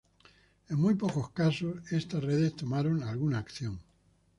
en muy pocos casos estas redes tomaron alguna acción